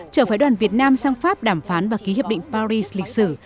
trở phải đoàn việt nam sang pháp đàm phán và ký hiệp định paris lịch sử